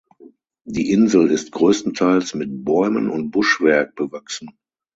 Die Insel ist größtenteils mit Bäumen und Buschwerk bewachsen.